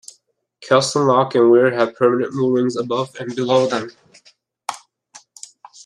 Kelston Lock and weir have permanent moorings above and below them.